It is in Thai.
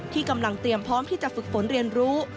ที่กำลังเตรียมพร้อมที่จะฝึกฝนเรียนรู้